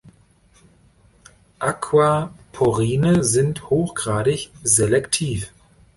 Aquaporine sind hochgradig selektiv.